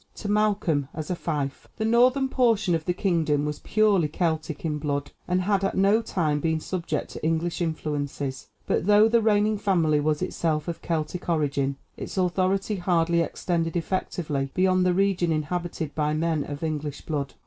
to Malcolm as a fief. The northern portion of the kingdom was purely Celtic in blood, and had at no time been subject to English influences, but though the reigning family was itself of Celtic origin, its authority hardly extended effectively beyond the region inhabited by men of English blood.